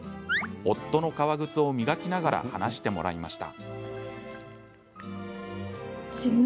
夫の革靴を磨きながら話してもらいました。